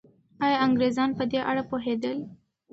ایا انګریزان په دې اړه پوهېدل؟